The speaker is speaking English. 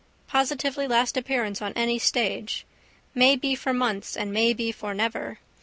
Positively last appearance on any stage. May be for months and may be for never.